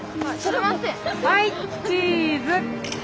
はいチーズ！